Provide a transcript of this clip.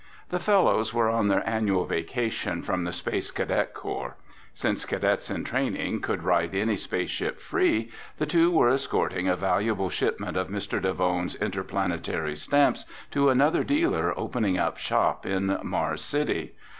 The fellows were on their annual vacation from the Space Cadet Corps. Since cadets in training could ride any space ship free, the two were escorting a valuable shipment of Mr. Davone's interplanetary stamps to another dealer opening up shop in Mars City.